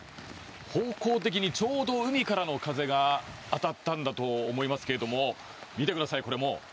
方向的にちょうど海からの風が当たったんだと思いますけれども見てください